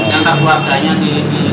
yang tak keluarganya di